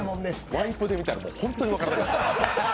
ワイプで見たら本当に分からない。